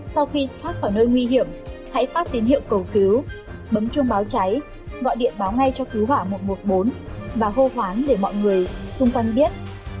sau khi thoát khỏi nơi nguy hiểm hãy phát tín hiệu cầu cứu bấm chuông báo cháy gọi điện báo ngay cho cứu hỏa một trăm một mươi bốn và hô hoán để mọi người xung quanh biết